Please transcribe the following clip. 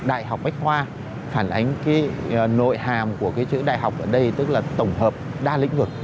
đại học bách khoa phản ánh cái nội hàm của cái chữ đại học ở đây tức là tổng hợp đa lĩnh vực